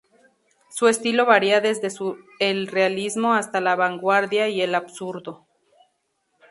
Su estilo varía desde el realismo hasta la vanguardia y el absurdo.